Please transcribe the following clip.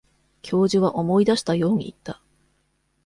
教授は思い出したように言った。